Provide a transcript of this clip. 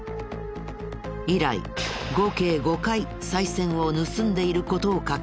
以来合計５回さい銭を盗んでいる事を確認。